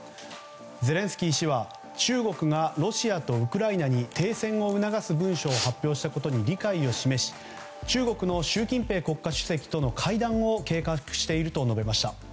ゼレンスキー氏は中国がロシアとウクライナに停戦を促す文書を発表したことに理解を示し中国の習近平国家主席との会談を計画していると述べました。